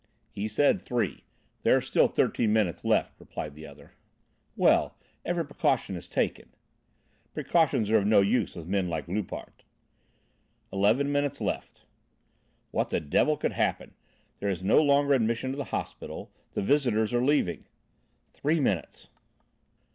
"He said three; there are still thirteen minutes left," replied the other. "Well, every precaution is taken." "Precautions are of no use with men like Loupart." "Eleven minutes left." "What the devil could happen? There is no longer admission to the hospital; the visitors are leaving." "Three minutes!"